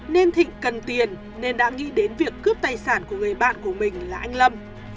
nên thịnh cần tiền nên đã nghĩ đến việc cướp tài sản của người bạn của mình là anh lâm